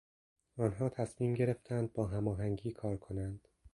آنها تصمیم گرفتند با هماهنگی کار کنند.